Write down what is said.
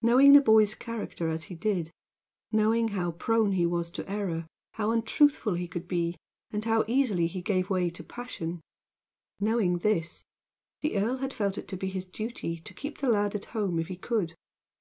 Knowing the boy's character as he did knowing how prone he was to error, how untruthful he could be and how easily he gave way to passion knowing this, the earl had felt it to be his duty to keep the lad at home if he could.